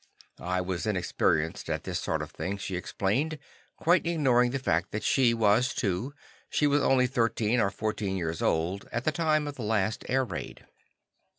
I was inexperienced at this sort of thing, she explained, quite ignoring the fact that she was too; she was only thirteen or fourteen years old at the time of the last air raid.